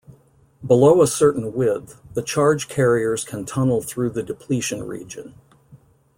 Below a certain width, the charge carriers can tunnel through the depletion region.